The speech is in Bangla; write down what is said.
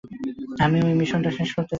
আমি ওই মিশনটা শেষ করতে চাই।